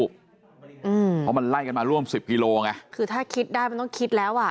เพราะมันไล่กันมาร่วมสิบกิโลไงคือถ้าคิดได้มันต้องคิดแล้วอ่ะ